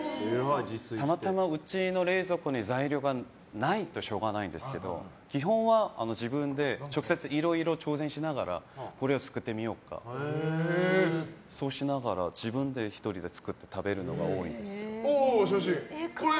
たまたまうちの冷蔵庫に材料がないとしょうがないんですけど基本は自分で直接いろいろ挑戦しながらこれを作ってみようとかそうしながら自分で１人で作って食べるのが多いです。